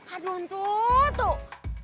aduh entu tuh